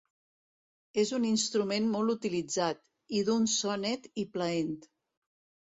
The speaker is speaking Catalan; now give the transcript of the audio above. És un instrument molt utilitzat, i d'un so net i plaent.